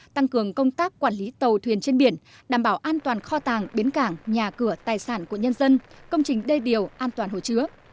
tăng cường công tác quản lý tàu thuyền trên biển đảm bảo an toàn kho tàng bến cảng nhà cửa tài sản của nhân dân công trình đê điều an toàn hồ chứa